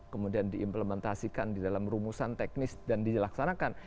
kemudian diimplementasikan di dalam rumusan teknis dan dilaksanakan